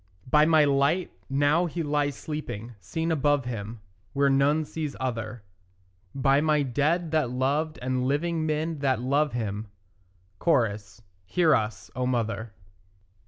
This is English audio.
By my light, now he lies sleeping, seen above him Where none sees other; By my dead that loved and living men that love him; (Cho.) Hear us, O mother.